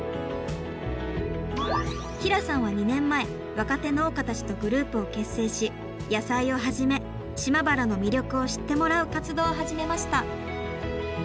平さんは２年前若手農家たちとグループを結成し野菜をはじめ島原の魅力を知ってもらう活動を始めました。